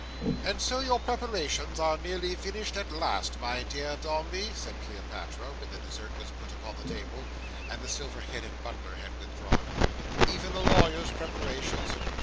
"And so your preparations are nearly finished at last, my dear Dombey?" said Cleopatra, when the dessert was put upon the table, and the silver headed butler had withdrawn. "Even the lawyers" preparations!"